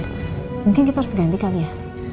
mungkin kita harus ganti kali ya